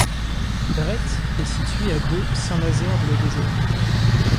Brette est situé à de Saint-Nazaire-le-Désert.